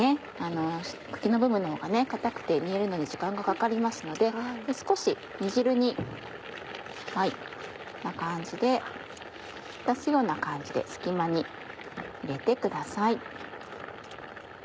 茎の部分のほうが硬くて煮えるのに時間がかかりますので少し煮汁にこんな感じで浸すような感じで隙間に入れてください。